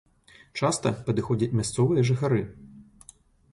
Часта падыходзяць мясцовыя жыхары.